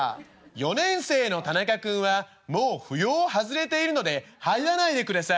「４年生の田中君はもう扶養を外れているので入らないでください」。